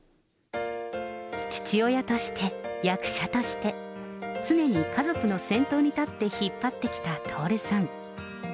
父親として、役者として、常に家族の先頭に立って引っ張ってきた徹さん。